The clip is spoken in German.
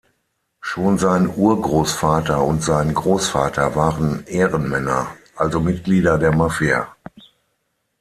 Schon sein Urgroßvater und sein Großvater waren „Ehrenmänner“, also Mitglieder der Mafia.